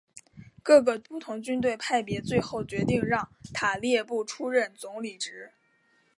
各个不同军队派别最后决定让塔列布出任总理职。